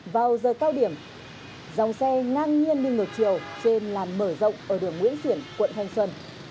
vào giờ cao điểm dòng xe ngang nhiên đi ngược chiều trên làn mở rộng ở đường nguyễn xiển quận thanh xuân